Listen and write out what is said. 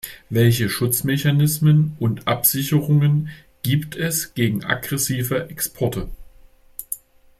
Welche Schutzmechanismen und Absicherungen gibt es gegen aggressive Exporte?